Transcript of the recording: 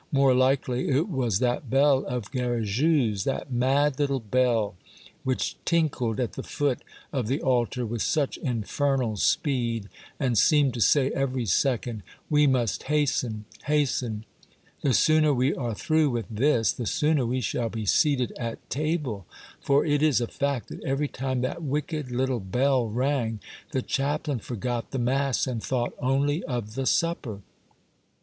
More likely it was that bell of Garrigou's, that mad Httle bell, which tinkled at the foot of the altar with such infernal speed, and seemed to say every second :We must hasten, hasten ! The sooner we are through with this, the sooner we shall be seated at table." For it is a fact that every time that wicked little bell rang, Yule Tide Stories. 263 the chaplain forgot the mass and thought only of the supper.